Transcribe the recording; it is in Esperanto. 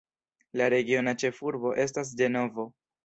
La regiona ĉefurbo estas Ĝenovo.